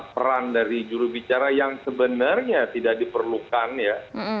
peran dari jurubicara yang sebenarnya tidak diperlukan ya